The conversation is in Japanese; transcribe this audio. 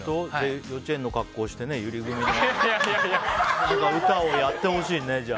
幼稚園の格好してね、ゆり組の歌をやってほしいね。